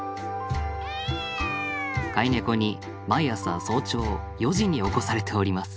飼いネコに毎朝早朝４時に起こされております